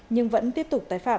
nhưng vẫn tiếp tục tái phạm